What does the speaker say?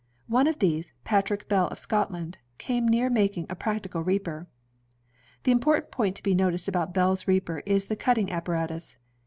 One of these, Patrick Bell of Scotland, came near making a practical reaper. The important point to be noticed about Bell's reaper is the cutting apparatus.